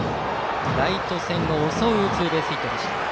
ライト線を襲うツーベースヒット。